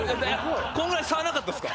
こんぐらい差なかったですか？